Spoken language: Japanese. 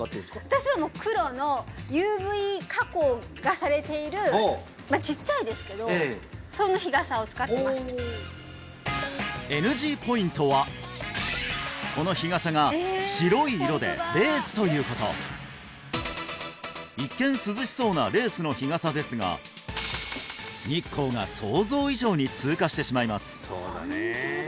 私はもうまあちっちゃいですけどそんな日傘を使ってますＮＧポイントはこの日傘が白い色でレースということ一見涼しそうなレースの日傘ですが日光が想像以上に通過してしまいます